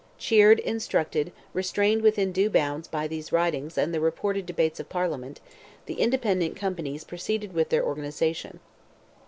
Cheered, instructed, restrained within due bounds by these writings and the reported debates of Parliament, the independent companies proceeded with their organization.